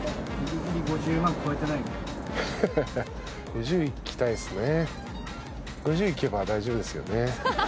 ５０いきたいっすね。